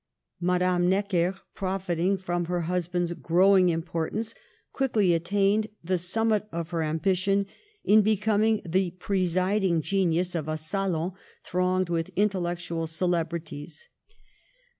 Madame Necker, profiting by her husband's growing importance, quickly attained the sum mit of her ambition in becoming the presiding genius of a salon thronged with intellectual celeb rities.